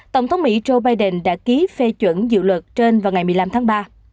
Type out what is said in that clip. tổng thống mỹ joe biden đã ký phê chuẩn dự luật trên vào ngày một mươi năm tháng ba